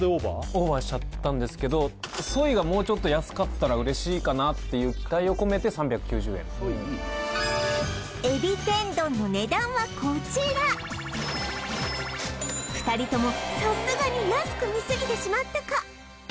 オーバーしちゃったんですけどソイがもうちょっと安かったら嬉しいかなっていう期待を込めて３９０円えび天丼の値段はこちら二人ともさすがに安く見すぎてしまったか